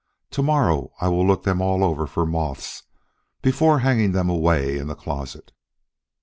To morrow I will look them all over for moths before hanging them away in the closet."